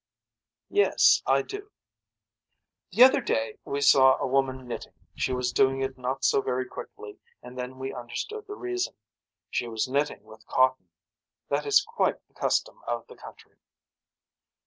Yes I do. The other day we saw a woman knitting she was doing it not so very quickly and then we understood the reason. She was knitting with cotton. That is quite the custom of the country.